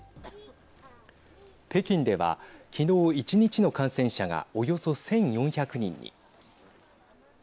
北京では昨日１日の感染者がおよそ１４００人に。